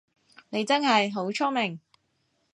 你真係好聰明